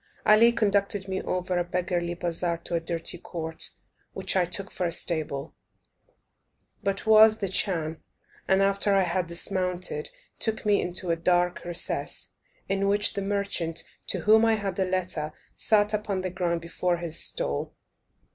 Ali conducted me over a beggarly bazaar to a dirty court, which I took for a stable, but was the chan; and, after I had dismounted, took me into a dark recess, in which the merchant, to whom I had a letter, sat upon the ground before his stall.